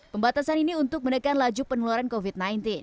pembatasan ini untuk menekan laju penularan covid sembilan belas